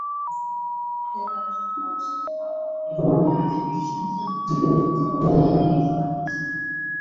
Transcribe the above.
杜埃钟楼是法国北部大区城市杜埃的一座历史建筑。